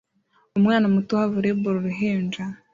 Umwana muto uha volleyball uruhinja